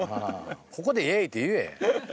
ここで「イエイ」って言え。